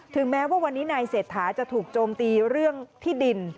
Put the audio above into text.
แม้ว่าวันนี้นายเศรษฐาจะถูกโจมตีเรื่องที่ดิน